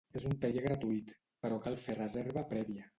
És un taller gratuït, però cal fer reserva prèvia.